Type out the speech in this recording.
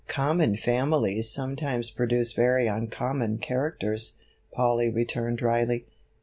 "Common families sometimes produce very uncommon characters," Polly returned dryly.